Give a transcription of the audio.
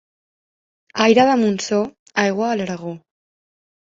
Aire de Montsó, aigua a l'Aragó.